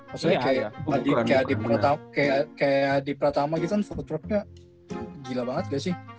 maksudnya kayak adi pratama gitu kan footworknya gila banget gak sih